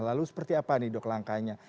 lalu seperti apa nih dok langkahnya